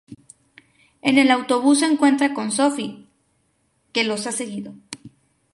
En el autobús se encuentran con Sophie, que los ha seguido.